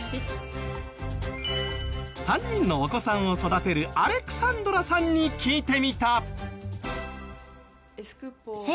３人のお子さんを育てるアレクサンドラさんに聞いてみた。